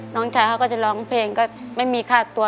น้องชายเขาก็จะร้องเพลงก็ไม่มีค่าตัว